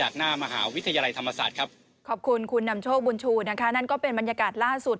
ขอบคุณคุณนำโชคบุญชูนะคะนั่นก็เป็นบรรยากาศล่าสุด